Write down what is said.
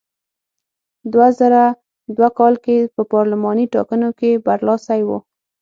دوه زره دوه کال کې په پارلماني ټاکنو کې برلاسی و.